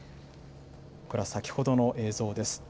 これは先ほどの映像です。